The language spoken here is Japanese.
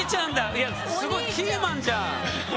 いやすごいキーマンじゃん。